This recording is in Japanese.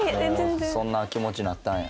そんな気持ちなったんや。